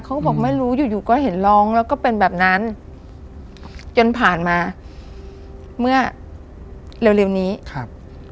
เขาบอกไม่รู้อยู่อยู่ก็เห็นร้องแล้วก็เป็นแบบนั้นจนผ่านมาเมื่อเร็วเร็วนี้ครับ